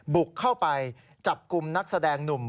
บุกเข้าไปจับกลุ่มนักแสดงหนุ่ม